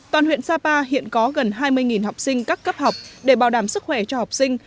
toàn huyện sapa hiện có gần hai mươi học sinh các cấp học để bảo đảm sức khỏe cho học sinh